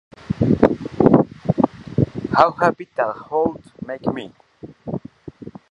How happy that would make me!